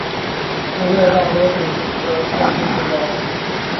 市内大多数地区都是乡村风光。